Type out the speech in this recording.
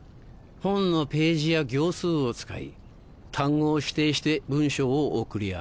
本のページや行数を使い単語を指定して文章を送り合う。